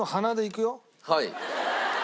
はい。